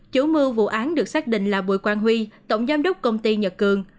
chủ mưu vụ án được xác định là bùi quang huy tổng giám đốc công ty nhật cường